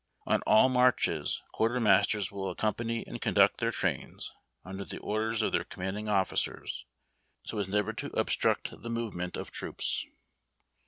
On all marches. Quartermasters will accompany and conduct their trains, under the orders of their commanding officers, so as never to obstruct the movement of troops.